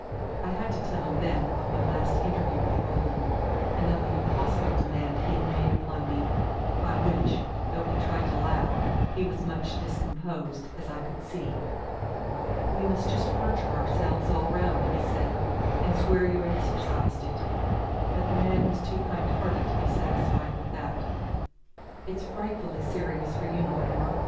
I had to tell him then of my last interview with Roland, and of the impossible demand he had made upon me, by which, though he tried to laugh, he was much discomposed, as I could see. "We must just perjure ourselves all round," he said, "and swear you exorcised it;" but the man was too kind hearted to be satisfied with that. "It's frightfully serious for you, Mortimer.